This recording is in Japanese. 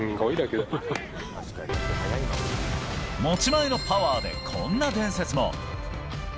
持ち前のパワーでこんな伝説も。